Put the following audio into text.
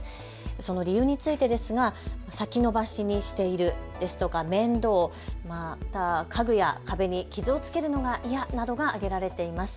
その理由についてですが先延ばしにしているですとか面倒、また家具や壁に傷をつけるのが嫌などが挙げられています。